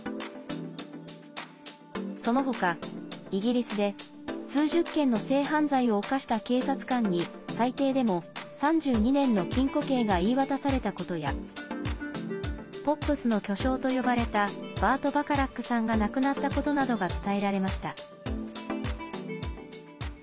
その他、イギリスで数十件の性犯罪を犯した警察官に最低でも３２年の禁錮刑が言い渡されたことやポップスの巨匠と呼ばれたバート・バカラックさんが亡くなったことなどが伝えられました。